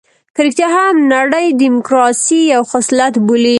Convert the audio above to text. که رښتيا هم نړۍ ډيموکراسي یو خصلت بولي.